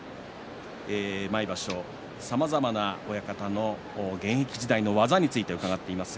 毎場所、さまざまな親方の現役時代の技についてお伝えしています。